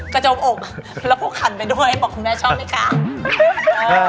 กระจกอกแล้วพวกขันไปด้วยบอกคุณแม่ชอบไหมคะ